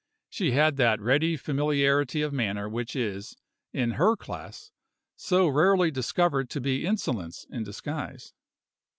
She had that ready familiarity of manner which is (in her class) so rarely discovered to be insolence in disguise.